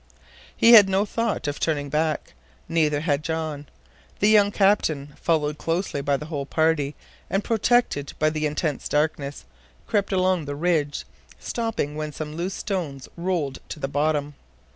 He had no thought of turning back. Neither had John. The young captain, followed closely by the whole party, and protected by the intense darkness, crept along the ridge, stopping when some loose stone rolled to the bottom.